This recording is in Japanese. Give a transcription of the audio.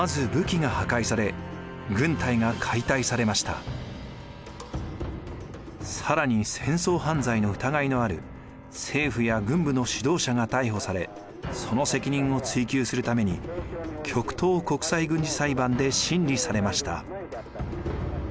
まず更に戦争犯罪の疑いのある政府や軍部の指導者が逮捕されその責任を追及するために極東国際軍事裁判で審理されました。